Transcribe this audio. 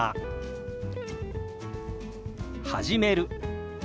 「始める」。